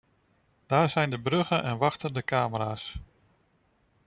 Daar zijn de bruggen en wachten de camera's.